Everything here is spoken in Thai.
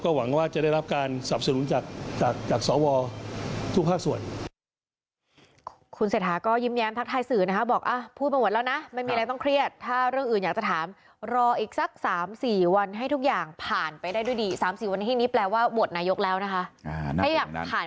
หวังว่าจะได้รับการสับสนุนจากสวทุกภาคส่วน